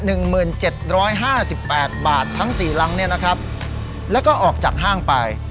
หนึ่งหมื่นเจ็ดร้อยห้าสิบแปดบาททั้งสี่รังเนี้ยนะครับแล้วก็ออกจากห้างไป